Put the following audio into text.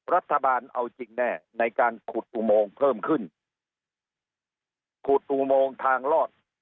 รัฐบาลเอาจริงแน่ในการขุดอุโมงเพิ่มขึ้นขุดอุโมงทางลอด